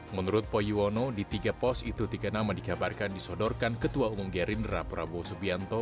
menurut poyuwono di tiga pos itu tiga nama dikabarkan disodorkan ketua umum gerindra prabowo subianto